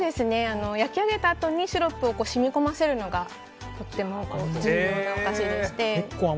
焼き上げたあとにシロップを染み込ませるのがとても重要なお菓子でして。